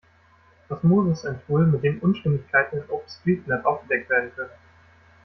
Osmose ist ein Tool, mit dem Unstimmigkeiten in OpenStreetMap aufgedeckt werden können.